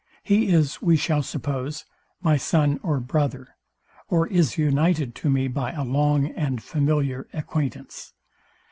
He is, we shall suppose, my son or brother, or is united to me by a long and familiar acquaintance.